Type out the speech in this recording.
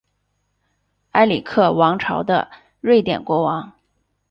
埃里克王朝的瑞典国王。